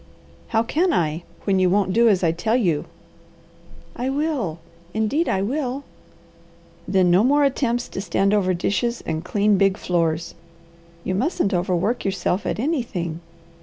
"How can I, when you won't do as I tell you?" "I will! Indeed I will!" "Then no more attempts to stand over dishes and clean big floors. You mustn't overwork yourself at anything.